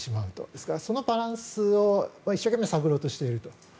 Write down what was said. ですからそのバランスを一生懸命探ろうとしていると。